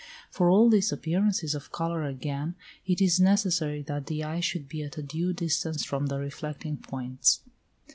For all these appearances of colour again it is necessary that the eye should be at a due distance from the reflecting points.